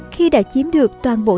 khi đã chiếm được toàn bộ